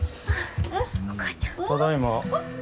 ただいま。